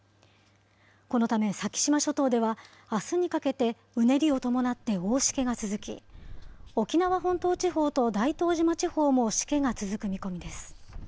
このため先島諸島では、あすにかけてうねりを伴って大しけが続き、沖縄本島地方と大東島地方もしけが続く見込みです。